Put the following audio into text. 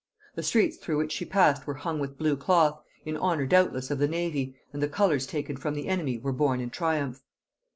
The streets through which she passed were hung with blue cloth, in honor doubtless of the navy, and the colors taken from the enemy were borne in triumph.